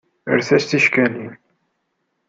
Rret-as ticekkalin.